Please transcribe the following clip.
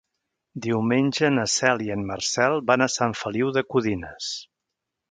Diumenge na Cel i en Marcel van a Sant Feliu de Codines.